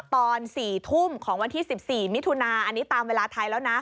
ตอน๔ทุ่มของวันที่๑๔มิถุนาอันนี้ตามเวลาไทยแล้วนะ